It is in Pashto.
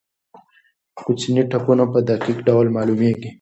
کوچني ټپونه په دقیق ډول معلومېږي.